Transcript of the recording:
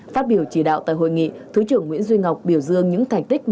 phát biểu chỉ đạo tại hội nghị thứ trưởng nguyễn duy ngọc biểu dương những thành tích